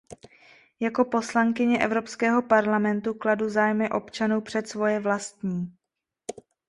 Jako poslankyně Evropského parlamentu kladu zájmy občanů před svoje vlastní.